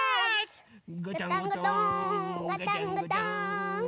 ガタンゴトーンガタンゴトーン。